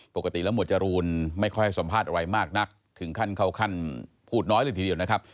ปกติแล้วหมวดจรูนไม่ค่อยให้สัมภาษณ์อะไรมากนักถึงขั้นเข้าขั้นพูดน้อยเลยทีเดียวนะครับ